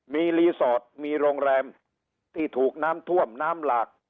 มีรีสอร์ทมีโรงแรมที่ถูกน้ำท่วมน้ำหลาก